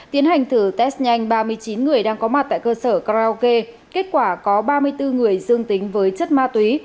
tiến hành thử test nhanh ba mươi chín người đang có mặt tại cơ sở karaoke kết quả có ba mươi bốn người dương tính với chất ma túy